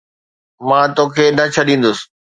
مان توکي نه ڇڏيندس